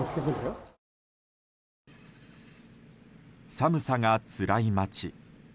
寒さがつらい町。